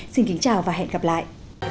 xin kính chào và hẹn gặp lại